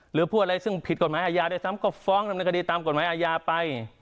หรือพูดอะไรซึ่งผิดกฎหมายอาญาด้วยซ้ำก็ฟ้องดำเนินคดีตามกฎหมายอาญาไป